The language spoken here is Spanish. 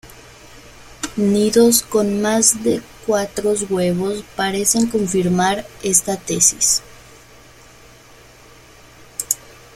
Nidos con más de cuatros huevos parecen confirmar esta tesis.